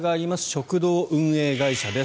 食堂運営会社です。